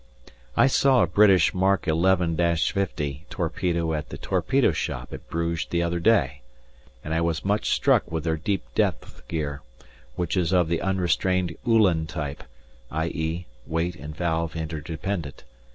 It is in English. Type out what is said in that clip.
I saw a British Mark 11.50 torpedo at the torpedo shop at Bruges the other day, and I was much struck with their deep depth gear, which is of the unrestrained Uhlan type, i.e., weight and valve interdependent.